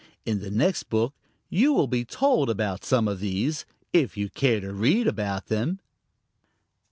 In the next book you will be told about some of these, if you care to read about them.